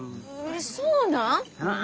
そうなん！？